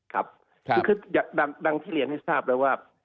ครับคือดังที่เรียนให้ทราบแล้วว่า